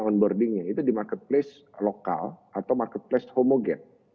onboardingnya itu di marketplace lokal atau marketplace homogen